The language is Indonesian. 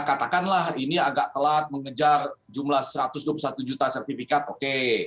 katakanlah ini agak telat mengejar jumlah satu ratus dua puluh satu juta sertifikat oke